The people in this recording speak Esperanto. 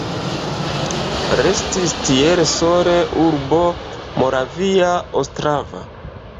Restis tiel sole urbo Moravia Ostrava.